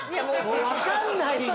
わかんないよ